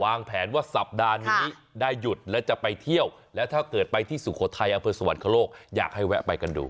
วางแผนว่าสัปดาห์นี้ได้หยุดและจะไปเที่ยวแล้วถ้าเกิดไปที่สุโขทัยอำเภอสวรรคโลกอยากให้แวะไปกันดู